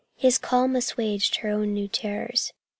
His calm assuaged her own new terrors.